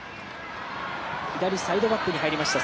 左サイドバックに入りました